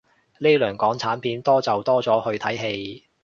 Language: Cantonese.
呢輪港產片多就多咗去睇戲